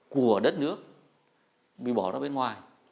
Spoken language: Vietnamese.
của đất nước bị bỏ ra bên ngoài